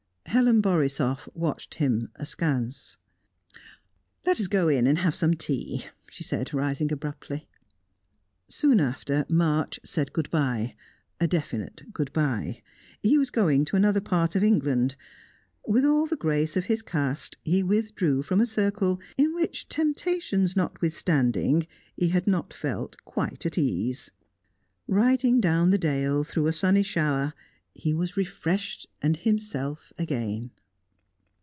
Helen Borisoff watched him, askance. "Let us go in and have some tea," she said, rising abruptly. Soon after, March said good bye, a definite good bye; he was going to another part of England. With all the grace of his caste he withdrew from a circle, in which, temptations notwithstanding, he had not felt quite at ease. Riding down the dale through a sunny shower, he was refreshed and himself again.